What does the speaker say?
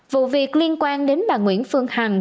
vụ việc liên quan đến bà nguyễn phương hằng